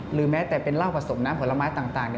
หรือแม้แต่เป็นเหล้าผสมน้ำผลไม้ต่าง